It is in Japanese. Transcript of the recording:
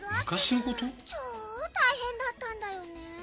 「超大変だったんだよねえ」